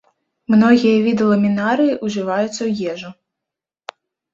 Многія віды ламінарыі ўжываюцца ў ежу.